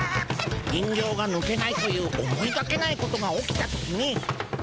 人形がぬけないという思いがけないことが起きた時に。